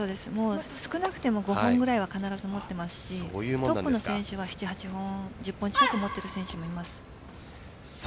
少なくても５本ぐらいは必ず持っていますしトップの選手は７８本１０本近く持っている選手もいます。